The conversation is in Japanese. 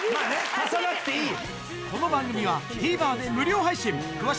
足さなくていいよ！